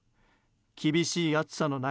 厳しい暑さの中